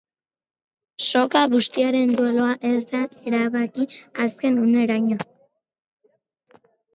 Soka bustiaren duelua ez da erabaki azken uneraino.